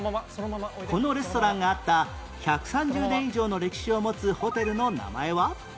このレストランがあった１３０年以上の歴史を持つホテルの名前は？